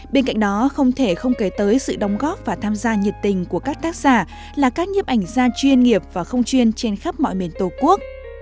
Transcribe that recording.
bên cạnh đó không thể không kể tới sự đóng góp và tham gia nhiệt tình của các tác giả là các nhiếp ảnh gia chuyên nghiệp và không chuyên trên khắp mọi miền tổ quốc